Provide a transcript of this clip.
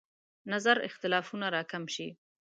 نظر اختلافونه راکم شي.